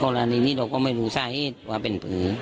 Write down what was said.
ก็อันนี้เราก็ไม่รู้ใส่ว่าเป็นผืน